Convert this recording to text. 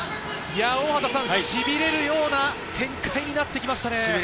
しびれるような展開になってきましたね。